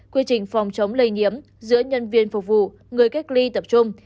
quy trình phòng chống lây nhiễm giữa nhân viên phục vụ người cách ly tập trung